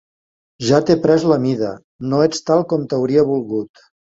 Ja t'he pres la mida, no ets tal com t'hauria volgut